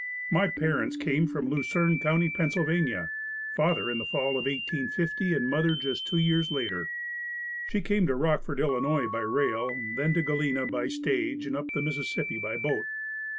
My parents came from Lucerne Co., Pa., father in the fall of 1850 and mother just two years later. She came to Rockford, Ill., by rail, then to Galena by stage and up the Mississippi by boat.